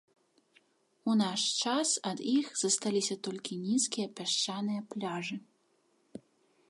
У наш час ад іх засталіся толькі нізкія пясчаныя пляжы.